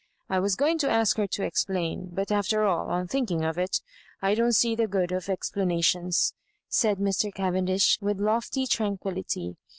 I was going to ask her to explain; but after all, on thinking of it, I don't see the good of explana tions," said Mr. Cavendish, with lofty tran quillity.